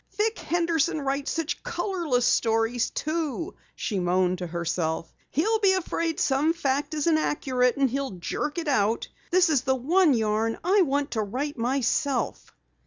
"Vic Henderson writes such colorless stories, too," she moaned to herself. "He'll be afraid some fact isn't accurate and he'll jerk it out. This is the one yarn I want to write myself!"